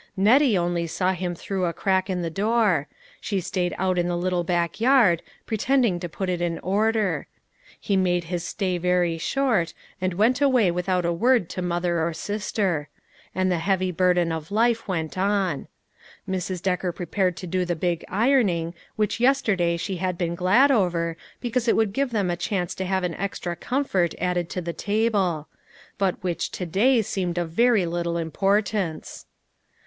Nettie only saw him through a crack in the door ; she stayed out in the little back yard, pretending to put it in order. He made his stay very short, and went away without a word to mother or sister ; and the heavy burden of life went on. Mrs. Decker prepared to do the big ironing which yesterday she had been glad over, because it would give them a chance to have an extra com fort added to the table ; but which to day seemed of very little importance.